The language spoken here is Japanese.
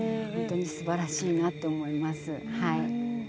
すばらしいなと思います。